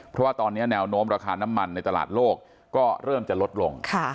เพราะว่าตอนนี้แนวโน้มราคาน้ำมันในตลาดโลกก็เริ่มจะลดลง